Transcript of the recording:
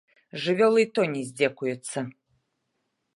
З жывёлы і то не здзекуюцца.